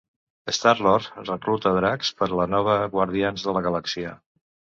Star-Lord recluta Drax per a la nova Guardians de la Galàxia.